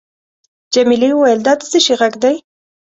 جميلې وويل:: دا د څه شي ږغ دی؟